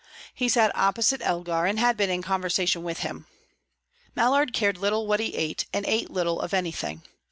He sat opposite Elgar, and had been in conversation with him. Mallard cared little what he ate, and ate little of any thing.